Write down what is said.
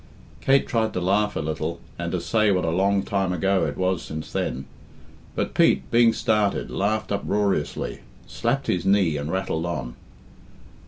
Kate tried to laugh a little and to say what a long time ago it was since then. But Pete, being started, laughed uproariously, slapped his knee, and rattled on.